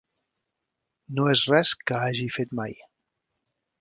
No és res que hagi fet mai.